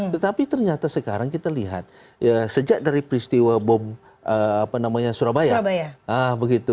tetapi ternyata sekarang kita lihat sejak dari peristiwa bom surabaya